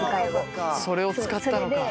それを使ったのか。